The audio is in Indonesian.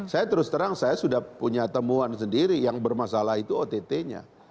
saya terus terang saya sudah punya temuan sendiri yang bermasalah itu ott nya